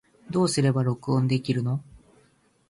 どうすれば録音できるの